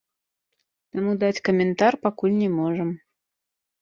Таму даць каментар пакуль не можам.